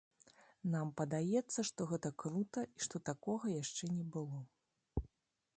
Нам падаецца, што гэта крута, і што такога яшчэ не было.